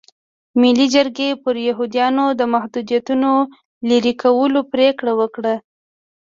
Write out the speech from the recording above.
ملي جرګې پر یهودیانو د محدودیتونو لرې کولو پرېکړه وکړه.